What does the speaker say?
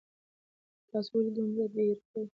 تاسو ولې دومره بیړه کوئ؟